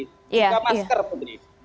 juga masker putri